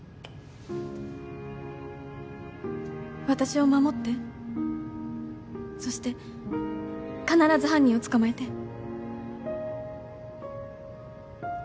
私を守ってそして必ず犯人を捕まえて